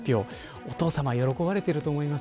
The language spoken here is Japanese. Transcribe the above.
お父さまは喜ばれていると思います。